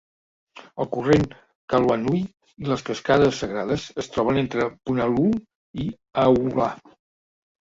El Corrent Kaluanui i les Cascades Sagrades es troben entre Punaluu i Hauula.